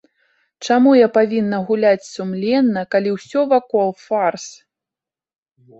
Чаму я павінна гуляць сумленна, калі ўсё вакол фарс?